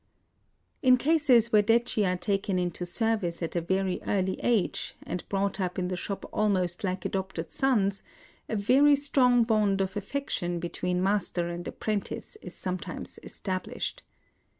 In cases where detchi are taken into service IN OSAKA 151 at a very early age, and brougiit up in the shop almost like adopted sons, a very strong bond of affection between master and appren tice is sometimes established.